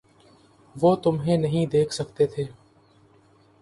وہ تمہیں نہیں دیکھ سکتے ہیں۔